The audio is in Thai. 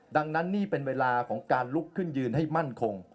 ดังนั้นนี่เป็นเวลาของการลุกขึ้นยืนให้มั่นคง